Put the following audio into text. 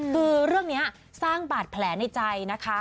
คือเรื่องนี้สร้างบาดแผลในใจนะคะ